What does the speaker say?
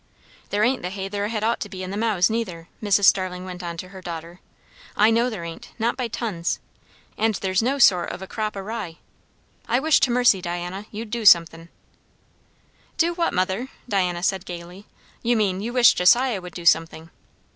"There ain't the hay there had ought to be in the mows, neither," Mrs. Starling went on to her daughter. "I know there ain't; not by tons. And there's no sort o' a crop o' rye. I wish to mercy, Diana, you'd do somethin'." "Do what, mother?" Diana said gaily. "You mean, you wish Josiah would do something."